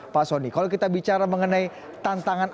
pak soni kalau kita bicara mengenai tantangan